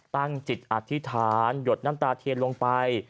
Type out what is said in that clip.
ตั้งจิตอธิษฐานหยดน้ำตาเทียนลงไป